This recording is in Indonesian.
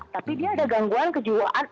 tapi dia ada gangguan kejiwaan